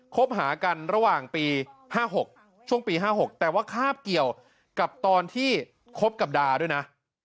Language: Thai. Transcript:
คบหากันระหว่างปี๕๖ช่วงปี๕๖แต่ว่าคาบเกี่ยวกับตอนที่คบกับดาด้วยนะ